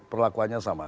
semua perlakuannya sama